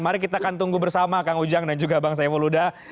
mari kita akan tunggu bersama kang ujang dan juga bang saiful huda